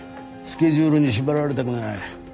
スケジュールに縛られたくない。